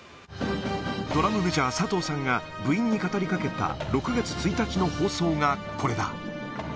ドラムメジャー、佐藤さんが部員に語りかけた、６月１日の放送がこれだ。